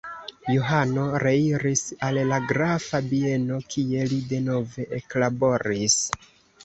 Johano reiris al la grafa bieno kie li denove eklaboris.